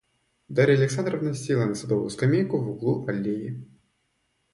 Дарья Александровна села на садовую скамейку в углу аллеи.